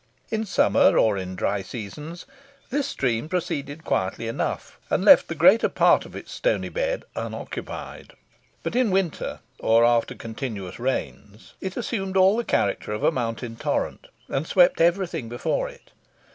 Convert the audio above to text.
In summer, or in dry seasons, this stream proceeded quietly enough, and left the greater part of its stony bed unoccupied; but in winter, or after continuous rains, it assumed all the character of a mountain torrent, and swept every thing before it.